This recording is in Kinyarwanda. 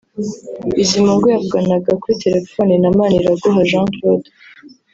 Bizimungu yavuganaga kuri telefone na Maniraguha Jean Claude